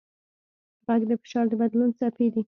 غږ د فشار د بدلون څپې دي.